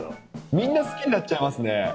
みんな好きになっちゃいますね。